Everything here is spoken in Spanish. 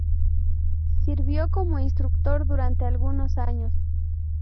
Sirvió como instructor durante algunos años.